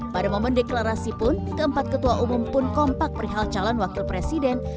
pada momen deklarasi pun keempat ketua umum pun kompak perihal calon wakil presiden